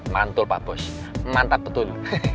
mantul pak bos mantap betul